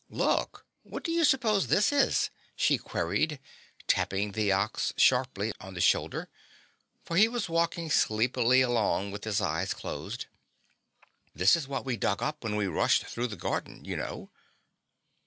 "Look! What do you suppose this is?" she queried, tapping the Ox sharply on the shoulder, for he was walking sleepily along with his eyes closed. "This is what we dug up when we rushed through the garden, you know."